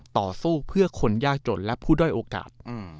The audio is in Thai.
ต่อสู้เพื่อคนยากจนและผู้ด้อยโอกาส